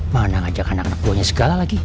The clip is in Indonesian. mana ngajak anak anak buahnya segala lagi